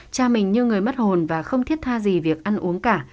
cha mình như người mất hồn và không thiết tha gì việc ăn uống cả